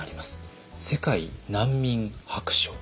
「世界難民白書」。